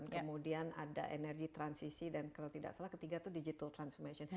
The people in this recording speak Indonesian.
kemudian ada energi transisi dan kalau tidak salah ketiga itu digital transformation